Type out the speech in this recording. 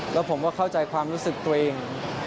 แล้วผมก็เข้าใจความรู้สึกตัวเอง